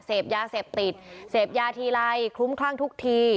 เสพยาเสพติดเสพยาทีไรคลุ้มคลั่งทุกที